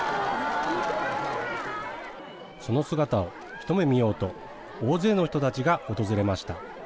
その姿を一目見ようと、大勢の人たちが訪れました。